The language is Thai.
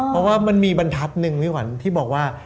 เพราะว่ามันมีบรรทัศน์หนึ่งพี่ขวัญที่บอกว่า